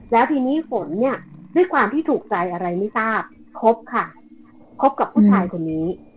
แล้วทีนี้ฝนเนี่ยด้วยความที่ถูกใจอะไรไม่ทราบคบค่ะคบกับผู้ชายคนนี้